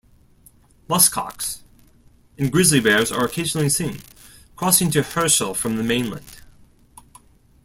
Muskox, and grizzly bears are occasionally seen, crossing to Herschel from the mainland.